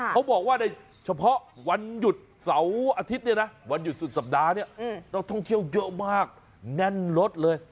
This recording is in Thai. เขาบอกว่าในเฉพาะวันหยุดเสาร์อาทิตย์เนี่ยนะวันหยุดสุดสัปดาห์เนี่ยนักท่องเที่ยวเยอะมากแน่นรถเลย